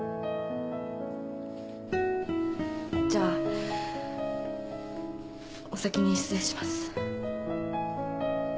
じゃあお先に失礼します。